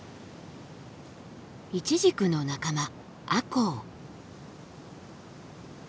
イチジクの仲間アコウ。